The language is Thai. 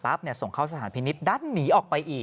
ส่งเข้าสถานพินิษฐ์ดันหนีออกไปอีก